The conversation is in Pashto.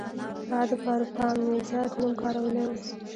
هغه د پاروپامیزاد نوم کارولی و